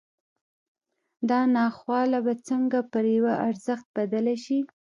دا ناخواله به څنګه پر یوه ارزښت بدله شي